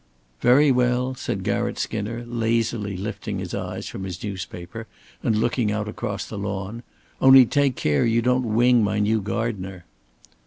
"Very well," said Garratt Skinner, lazily lifting his eyes from his newspaper and looking out across the lawn. "Only take care you don't wing my new gardener."